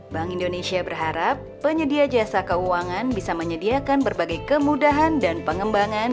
bank indonesia berharap penyedia jasa keuangan bisa menyediakan berbagai kemudahan dan pengembangan